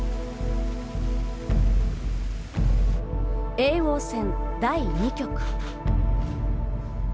叡王戦第２局。